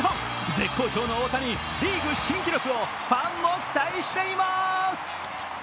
絶好調の大谷、リーグ新記録をファンも期待しています。